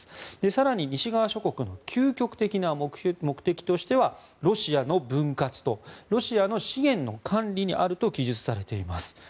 更に西側諸国の究極的な目的としてはロシアの分割とロシアの資源の管理にあると記述されています。